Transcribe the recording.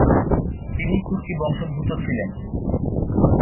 তিনি তুর্কি বংশোদ্ভূত ছিলেন।